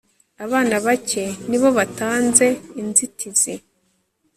abana bake ni bo batanze inzitizi